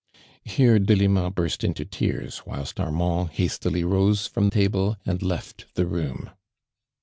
Here Delima burst into tears whilst Ar mand hastily roce from table and left the room.